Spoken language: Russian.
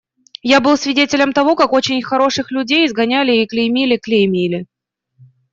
Я был свидетелем того, как очень хороших людей изгоняли и клеймили, клеймили.